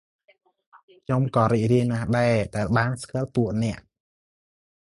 ខ្ញុំក៏រីករាយណាស់ដែរ ដែលបានស្គាល់ពួកអ្នក ។